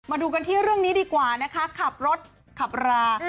มาดูกันที่เรื่องนี้ดีกว่านะคะขับรถขับรา